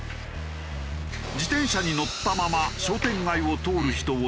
自転車に乗ったまま商店街を通る人を直撃すると。